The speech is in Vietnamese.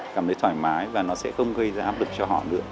cảm thấy thoải mái và nó sẽ không gây ra áp lực cho họ nữa